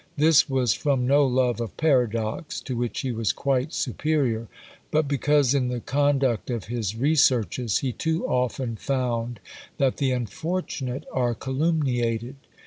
This was from no love of paradox, to which he was quite superior; but because in the conduct of his researches, he too often found that the unfortunate are calumniated.